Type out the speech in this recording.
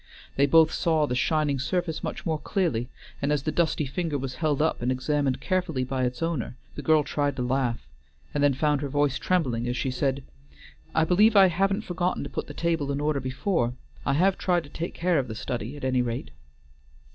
They both saw the shining surface much more clearly, and as the dusty finger was held up and examined carefully by its owner, the girl tried to laugh, and then found her voice trembling as she said: "I believe I haven't forgotten to put the table in order before. I have tried to take care of the study at any rate."